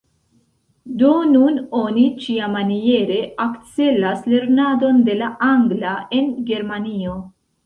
Do nun oni ĉiamaniere akcelas lernadon de la angla en Germanio.